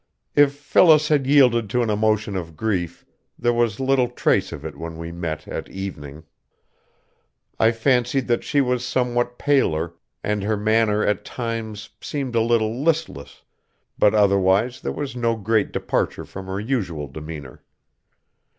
If Phyllis had yielded to an emotion of grief, there was little trace of it when we met at evening. I fancied that she was somewhat paler, and her manner at times seemed a little listless, but otherwise there was no great departure from her usual demeanor.